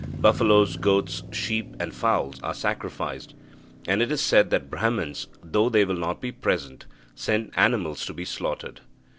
Buffaloes, goats, sheep, and fowls are sacrificed, and it is said that Brahmans, though they will not be present, send animals to be slaughtered.